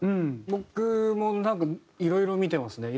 僕もいろいろ見てますね。